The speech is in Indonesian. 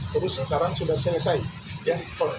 terus sekarang sudah diselesaikan